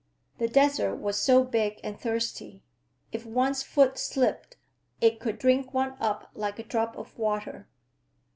The desert was so big and thirsty; if one's foot slipped, it could drink one up like a drop of water.